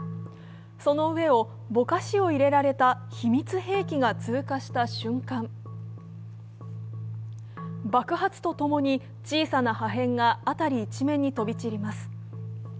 その上をぼかしを入れられた秘密兵器が通過した瞬間、爆発とともに、小さな破片が辺り一面に飛び散ります。